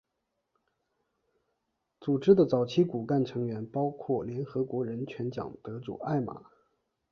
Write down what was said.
组织的早期骨干成员包括联合国人权奖得主艾玛。